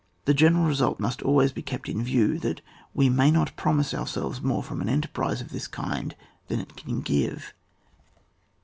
This general result must always be kept in view, that we may not promise ourselves more from an enterprise of this kind than it can give.